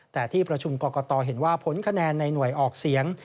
แต่ที่ประชุมกรกตเห็นว่าผลคะแนนในหน่วยออกเสียง